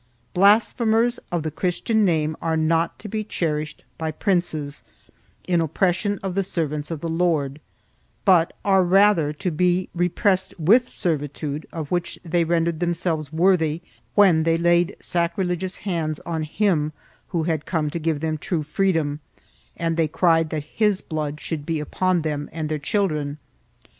Blas phemers of the Christian name are not to be cherished by princes, in oppression of the servants of the Lord, but are rather to be repressed with servitude, of which they rendered themselves worthy when they laid sacrilegious hands on Him, who had come to give them true freedom, and they cried that His blood should be upon them and their children.